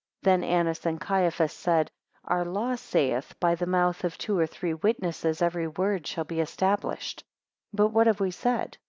9 Then Annas and Caiaphas said "Our law saith, By the mouth of two or three witnesses every word shall be established." 10 But what have we said?